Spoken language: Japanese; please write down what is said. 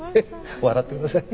笑ってください。